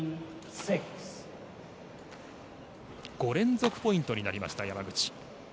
５連続ポイントになりました山口。